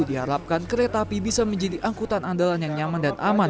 diharapkan kereta api bisa menjadi angkutan andalan yang nyaman dan aman